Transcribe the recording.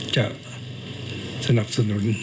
สนับสนุน